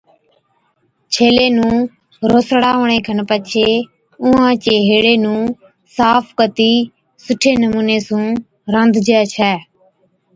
ڇيلي نُون روسڙاوَڻي کن پڇي اُونھان چي ھيڙي نُون صاف ڪتِي سُٺي نمُوني سُون رانڌجَي ڇَي